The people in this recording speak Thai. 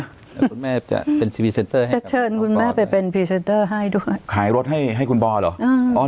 คุณแม่จะเป็นจะเชิญคุณแม่ไปเป็นพรีเซ็นเตอร์ให้ด้วยขายรถให้ให้คุณป่าเหรออ่า